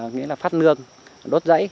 nghĩa là phát nương đốt rẫy